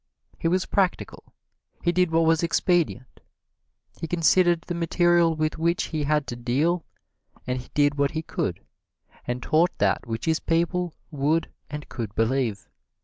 He was practical. He did what was expedient. He considered the material with which he had to deal, and he did what he could and taught that which his people would and could believe.